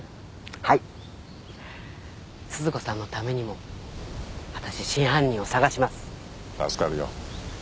はい鈴子さんのためにも私真犯人を探します助かるよ